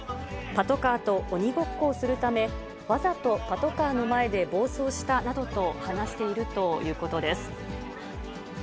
パトカーと鬼ごっこをするため、わざとパトカーの前で暴走したなどと話しているということです。